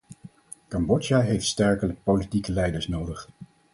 Cambodja heeft sterke politieke leiders nodig.